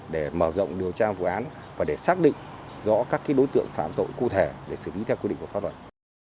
để mở rộng điều tra vụ án và để xác định rõ các đối tượng phạm tội cụ thể để xử lý theo quy định của pháp luật